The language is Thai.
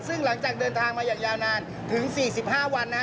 ซึ่งหลังจากเดินทางมาอย่างยาวนานถึง๔๕วันนะฮะ